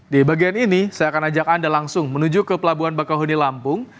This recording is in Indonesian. di bagian ini saya akan ajak anda langsung menuju ke pelabuhan bakau huni lampung